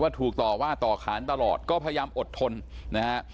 ถูกต่อว่าต่อขานตลอดก็พยายามอดทนนะฮะ